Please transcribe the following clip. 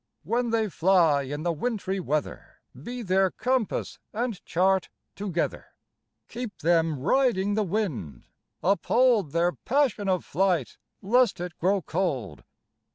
When they fly in the wintry weather Be their compass and chart together. Keep them riding the wind. Uphold Their passion of flight lest it grow cold.